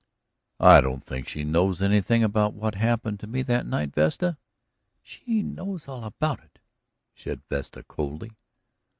"I don't think she knows anything about what happened to me that night, Vesta." "She knows all about it," said Vesta coldly.